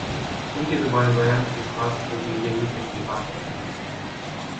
ان کی زبان و بیان کی خاص خوبی یہی تشبیہات ہی